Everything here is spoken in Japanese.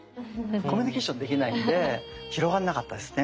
コミュニケーションできないので広がんなかったですね。